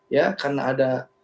ya karena ada